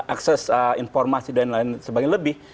akses informasi dan lain sebagainya lebih